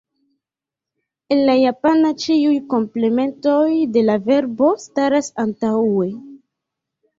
En la japana ĉiuj komplementoj de la verbo staras antaŭe.